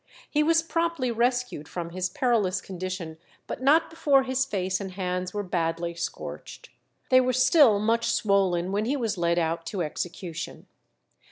He was promptly rescued from his perilous condition, but not before his face and hands were badly scorched. They were still much swollen when he was led out to execution.